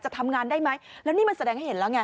ทำงานได้ไหมแล้วนี่มันแสดงให้เห็นแล้วไง